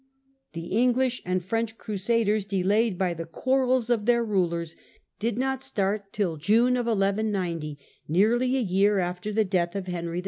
The English and French ossa, 1190 QJ;.^ga(Jers, delayed by the quarrels of their rulers, did not start till June 1190, nearly a year after the death of Henry II.